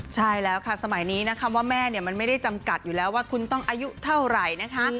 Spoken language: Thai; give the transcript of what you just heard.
ใช่แล้วค่ะสมัยนี้นะคะว่าแม่เนี่ยมันไม่ได้จำกัดอยู่แล้วว่าคุณต้องอายุเท่าไหร่นะคะ